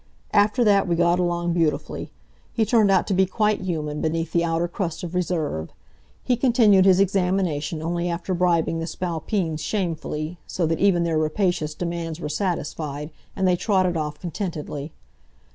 After that we got along beautifully. He turned out to be quite human, beneath the outer crust of reserve. He continued his examination only after bribing the Spalpeens shamefully, so that even their rapacious demands were satisfied, and they trotted off contentedly.